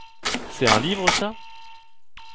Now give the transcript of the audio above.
C’est un livre ça ?